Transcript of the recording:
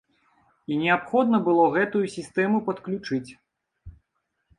І неабходна было гэтую сістэму падключыць.